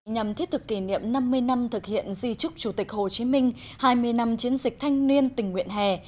nhằm thiết thực kỷ niệm năm mươi năm thực hiện di trúc chủ tịch hồ chí minh hai mươi năm chiến dịch thanh niên tình nguyện hè